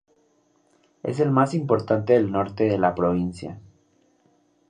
Es el más importante del norte de la provincia.